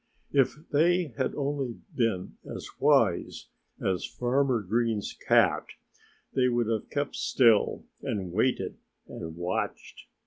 If they had only been as wise as Farmer Green's cat they would have kept still and waited and watched.